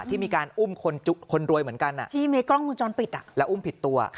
ที่มีการอุ้มคนรวยเหมือนกันอุ้มผิดตัว